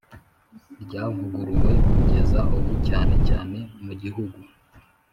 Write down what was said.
Ryavuguruwe kugeza ubu cyane cyane mugihugu